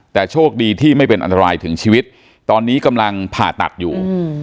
แต่โชคดีที่ไม่เป็นอันตรายถึงชีวิตตอนนี้กำลังผ่าตัดอยู่